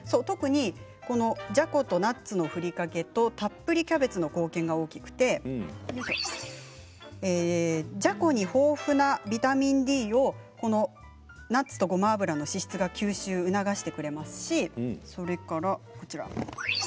特に、じゃことナッツのふりかけとたっぷりキャベツの貢献が大きくてじゃこに豊富なビタミンＤナッツとごま油の脂質が吸収を促してくれますしそれからこちらです。